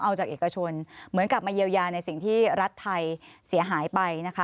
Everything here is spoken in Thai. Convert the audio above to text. เอาจากเอกชนเหมือนกับมายาวในสิ่งที่รัฐไทยเสียหายไป